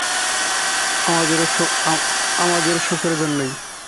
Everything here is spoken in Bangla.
আপনাদের সুখের জন্যই।